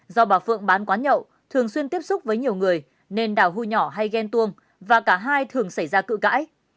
do bà phượng bán quán nhậu thường xuyên tiếp xúc với nhiều người nên đào hu nhỏ hay ghen tuông và cả hai thường xảy ra cự cãi